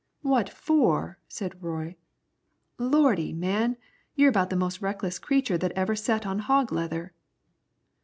"What for?" said Roy. "Lordy! man, you're about the most reckless creature that ever set on hog leather."